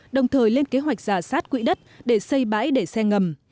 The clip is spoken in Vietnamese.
đồng thời lên kế hoạch giả sát quỹ đất để xây bãi để xe ngầm